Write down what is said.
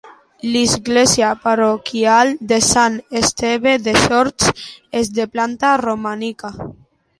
L’església parroquial de Sant Esteve de Sords és de planta romànica.